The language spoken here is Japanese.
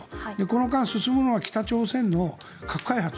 この間進むのは北朝鮮の核開発。